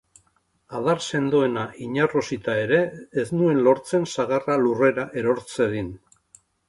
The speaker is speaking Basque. Adar sendoena inarrosita ere ez nuen lortzen sagarra lurrera eror zedin.